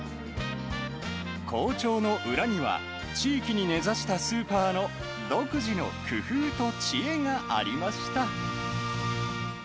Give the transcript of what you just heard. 好調の裏には、地域に根ざしたスーパーの独自の工夫と知恵がありました。